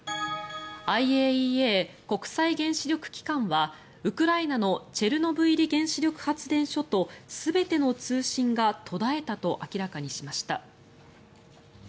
ＩＡＥＡ・国際原子力機関はウクライナのチェルノブイリ原子力発電所と全ての通信が途絶えたと明らかにしました。